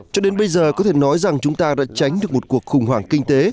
cho đến bây giờ có thể nói rằng chúng ta đã tránh được một cuộc khủng hoảng kinh tế